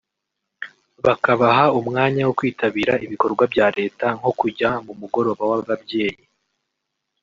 bakabaha umwanya wo kwitabira ibikorwa bya Leta nko kujya mu mugoroba w’ababyeyi